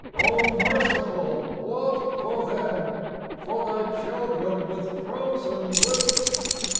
Oh Merciful what for them ? For thy children with frozen lips?